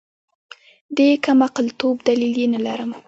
د کمعقلتوب دلیل یې نلرم.